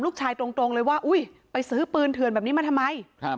ตรงเลยว่าอุ้ยไปซื้อปืนเถื่อนแบบนี้มาทำไม